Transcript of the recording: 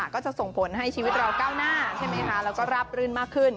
ก็จะส่งผลให้ชีวิตเราก้าวหน้าใช่ไหมคะแล้วก็ราบรื่นมากขึ้น